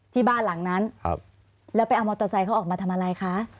ที่บ้านหลังนั้นแล้วไปเอามอเตอร์ไซค์เขาออกมาทำอะไรคะ